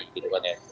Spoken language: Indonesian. gitu kan ya